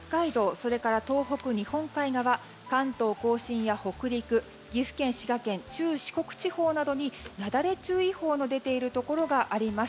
それから東北、日本海側関東・甲信や北陸岐阜県、滋賀県中四国地方などになだれ注意報が出ているところがあります。